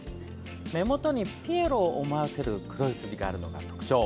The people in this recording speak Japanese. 目元にピエロを思わせる黒い筋があるのが特徴。